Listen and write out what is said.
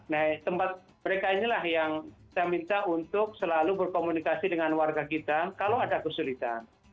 nah tempat mereka inilah yang saya minta untuk selalu berkomunikasi dengan warga kita kalau ada kesulitan